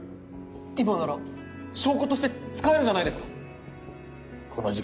今なら証拠として使えるじゃないですか。